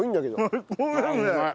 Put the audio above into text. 最高ですね。